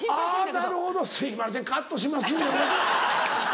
あぁなるほどすいませんカットしますんで。